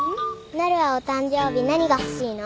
なるはお誕生日何が欲しいの？